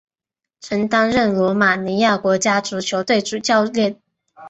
曾担任罗马尼亚国家足球队主教练。